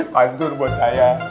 pantun buat saya